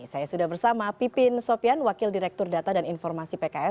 saya sudah bersama pipin sopian wakil direktur data dan informasi pks